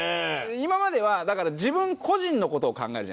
今まではだから自分個人の事を考えるじゃないですか。